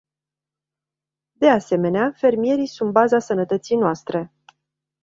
De asemenea, fermierii sunt baza sănătății noastre.